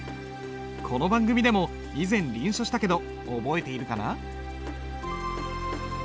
この番組でも以前臨書したけど覚えているかな？